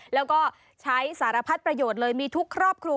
แล้วก็ใช้สารพัดประโยชน์เลยมีทุกครอบครัว